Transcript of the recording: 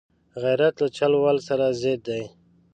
غیرت له چل ول سره ضد دی